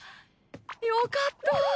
よかった。